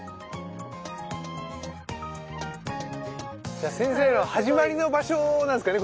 じゃ先生の始まりの場所なんすかね